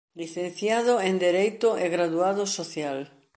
Licenciado en Dereito e Graduado Social.